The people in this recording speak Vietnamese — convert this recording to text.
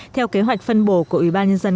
theo kế hoạch phân bổ của ủy ban nhân dân